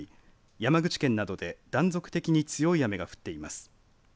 山口県などで断続的に強い雨が降ってます。